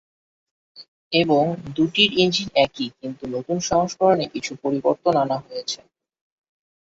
এবং দুটির ইঞ্জিন একই কিন্তু নতুন সংস্করণে কিছু পরিবর্তন আনা হয়েছে।